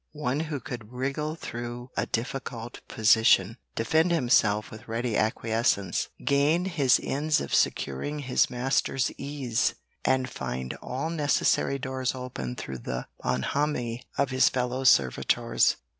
One who could wriggle through a difficult position, defend himself with ready acquiescence, gain his ends of securing his master's ease, and find all necessary doors open through the bonhommie of his fellow servitors.